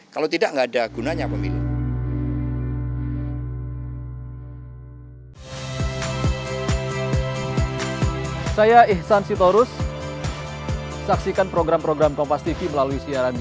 kalau tidak ada gunanya pemilu